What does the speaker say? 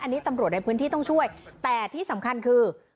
อันนี้ตำรวจในพื้นที่ต้องช่วยแต่ที่สำคัญคือ